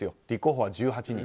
立候補は１８人。